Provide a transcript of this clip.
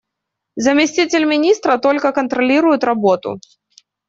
Заместитель министра только контролирует работу.